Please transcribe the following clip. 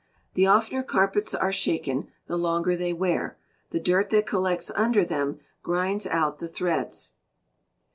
The oftener carpets are shaken the longer they wear; the dirt that collects under them grinds out the threads.